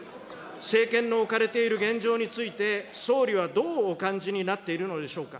政権の置かれている現状について総理はどうお感じになっているのでしょうか。